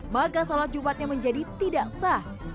maka sholat jumatnya menjadi tidak sah